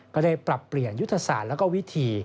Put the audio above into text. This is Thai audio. ก็ได้ปรับเปลี่ยนยุทธศาสตร์และวิธี